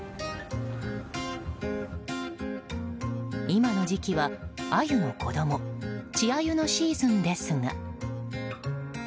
今の時期は、アユの子供稚アユのシーズンですが。